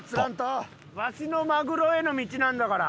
わしのマグロへの道なんだから。